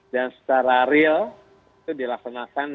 dan secara real itu dilaksanakan